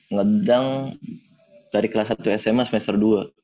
ngedang dari kelas satu sma semester dua